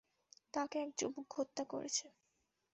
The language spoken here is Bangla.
তাকে এক যুবক হত্যা করেছে।